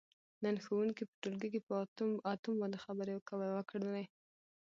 نن ښوونکي په ټولګي کې په اتوم باندې خبرې وکړلې.